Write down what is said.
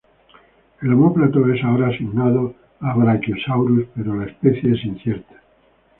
El omóplato es ahora asignado a "Brachiosaurus", pero la especie es incierta.